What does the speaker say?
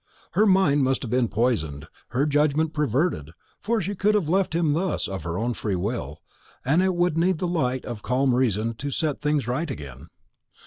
Her mind must have been poisoned, her judgment perverted, before she could have left him thus of her own free will; and it would need the light of calm reason to set things right again.